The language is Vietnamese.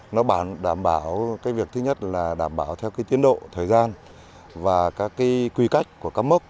nó bản đảm bảo cái việc thứ nhất là đảm bảo theo cái tiến độ thời gian và các cái quy cách của cắm mốc